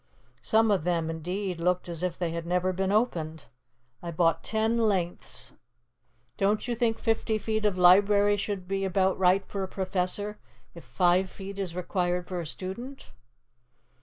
Some of them, indeed, looked as if they had never been opened. I bought ten lengths. Don't you think fifty feet of library should be about right for a professor, if five feet is required for a student?"